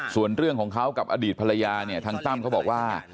ส่วนเรื่องของเขากับอดีตภรรยาเนี่ยทางตั้มเขาบอกว่า